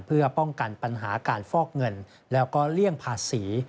เพื่อป้องกันปัญหาการฟอกเงินแล้วก็เลี่ยงภาษี